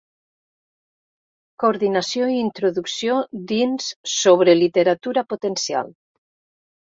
Coordinació i introducció dins «Sobre Literatura Potencial.